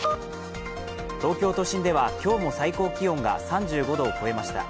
東京都心では今日も最高気温が３５度を超えました。